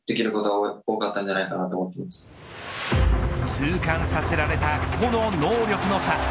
痛感させられた個の能力の差。